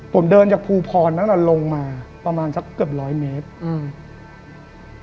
ผมเดินจากภูพรนั้นอ่ะลงมาประมาณสักเกือบร้อยเมตรอืม